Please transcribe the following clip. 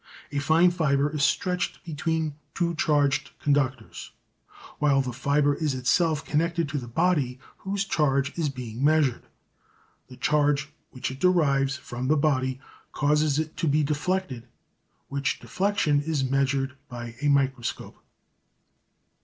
A fine fibre is stretched between two charged conductors while the fibre is itself connected to the body whose charge is being measured. The charge which it derives from the body causes it to be deflected, which deflection is measured by a microscope.